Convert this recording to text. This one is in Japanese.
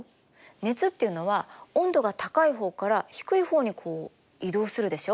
熱っていうのは温度が高い方から低い方にこう移動するでしょ？